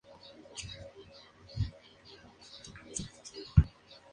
Las cartas chinas han proliferado en el Sudeste Asiático por los inmigrantes chinos.